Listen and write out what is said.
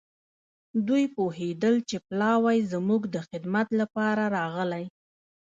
دوی پوهېدل چې پلاوی زموږ د خدمت لپاره راغلی.